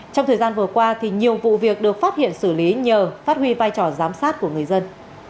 trong thời gian vừa qua nhiều vụ việc được phát hiện xử lý nhờ phát huy vai trò giám sát của người dân